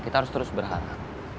kita harus terus berharap